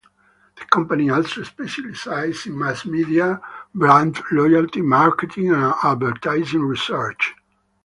The company also specialises in mass media, brand loyalty, marketing and advertising research.